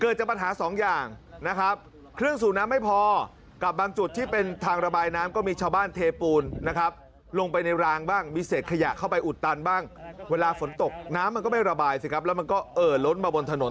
ระบายสิครับแล้วมันก็เอ่อล้นมาบนถนน